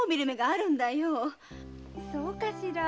そうかしら？